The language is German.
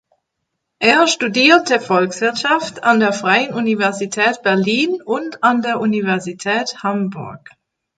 Er studierte Volkswirtschaft an der Freien Universität Berlin und an der Universität Hamburg.